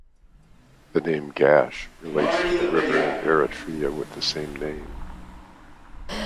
The name Gash relates to the river in Eritrea with the same name.